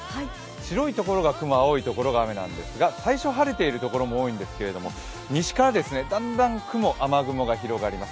白いところが雲、青いところが雨なんですが最初晴れているところも多いんですけど西からだんだん雨雲が広がります。